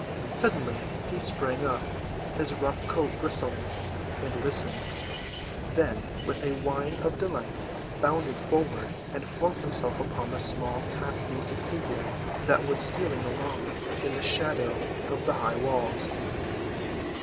Suddenly he sprang up, his rough coat bristling, and listened, then with a whine of delight bounded forward and flung himself upon the small, half‐ naked figure that was stealing along in the shadow of the high walls.